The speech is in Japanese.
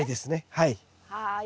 はい。